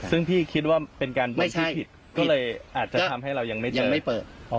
ซึ่งพี่คิดว่าเป็นการบนพิพิษก็เลยอาจจะทำให้เรายังไม่เจอ